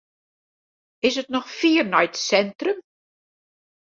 Is it noch fier nei it sintrum?